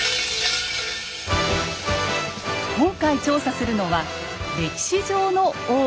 今回調査するのは歴史上の大奥です。